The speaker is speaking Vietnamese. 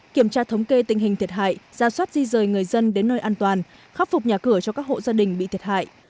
kiểm tra thống kê tình hình thiệt hại ra soát di rời người dân đến nơi an toàn khắc phục nhà cửa cho các hộ gia đình bị thiệt hại